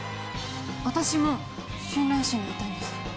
私も春蘭市にいたんです。